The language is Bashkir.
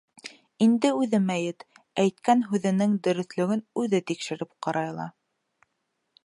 Инде үҙе мәйет, әйткән һүҙенең дөрөҫлөгөн үҙе тикшереп ҡарай ала.